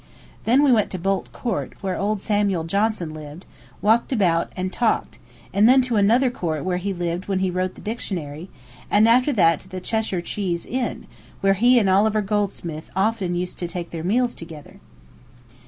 Then we went to Bolt Court, where old Samuel Johnson lived, walked about, and talked, and then to another court where he lived when he wrote the dictionary, and after that to the "Cheshire Cheese" Inn, where he and Oliver Goldsmith often used to take their meals together.